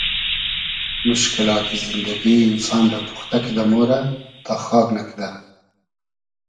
موشکیلات زیندئگی اینسان رۂ پوختۂ کیدۂ مۉرۂ تا خاگ نئکئدۂ